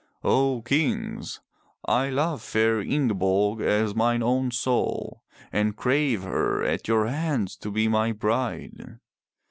"O Kings, I love fair Ingeborg as mine own soul, and crave her at your hands to be my bride.